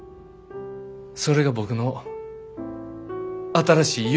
それが僕の新しい夢。